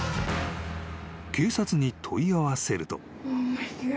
［警察に問い合わせると］